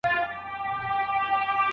املا د سواد روښانه ګام دی.